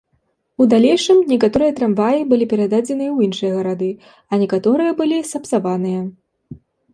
У далейшым некаторыя трамваі былі перададзеныя ў іншыя гарады, а некаторыя былі сапсаваныя.